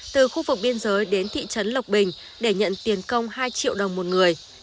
từ khu vực biên giới đến thị trấn lộc bình để nhận tiền công hai triệu đồng một người